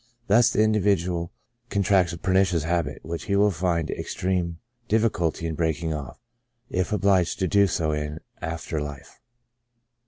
Thus, the individual contracts a pernicious habit, which he will find extreme difficulty in breaking off, if obliged to do so in after life.